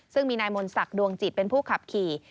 ซึ่งมีนายมนศักดิ์ดวงจิตเป็นผู้ขับขี่